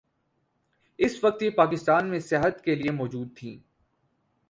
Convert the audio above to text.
اس وقت یہ پاکستان میں سیاحت کے لیئے موجود تھیں۔